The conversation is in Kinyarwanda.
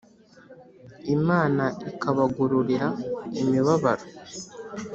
imana ikabagororera imibabaro